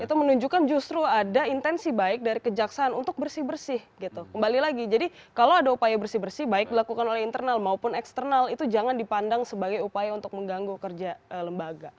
itu menunjukkan justru ada intensi baik dari kejaksaan untuk bersih bersih gitu kembali lagi jadi kalau ada upaya bersih bersih baik dilakukan oleh internal maupun eksternal itu jangan dipandang sebagai upaya untuk mengganggu kerja lembaga